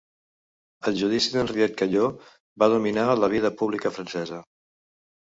El judici d'Henriette Caillaux va dominar la vida pública francesa.